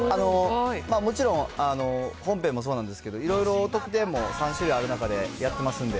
もちろん本編もそうなんですけど、いろいろ特典も３種類ある中でやってますんで。